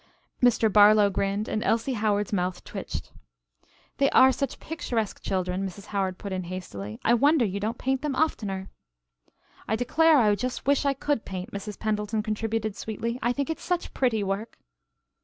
Mr. Barlow grinned and Elsie Howard's mouth twitched. "They are such picturesque children," Mrs. Howard put in hastily. "I wonder you don't paint them oftener." "I declare I just wish I could paint," Mrs. Pendleton contributed sweetly, "I think it's such pretty work."